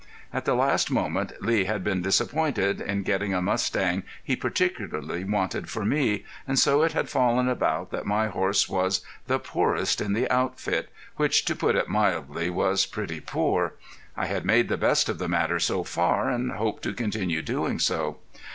At the last moment Lee had been disappointed in getting a mustang he particularly wanted for me, and so it had fallen about that my horse was the poorest in the outfit, which to put it mildly was pretty poor. I had made the best of the matter so far, and hoped to continue doing so.